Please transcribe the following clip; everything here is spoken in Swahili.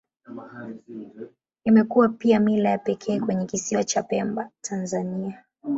Imekuwa pia mila ya pekee kwenye Kisiwa cha Pemba, Tanzania.